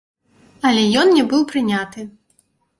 Але ён не быў прыняты.